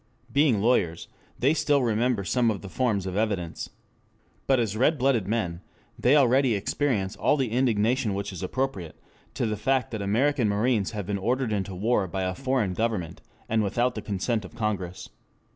Being lawyers they still remember some of the forms of evidence. But as red blooded men they already experience all the indignation which is appropriate to the fact that American marines have been ordered into war by a foreign government and without the consent of Congress.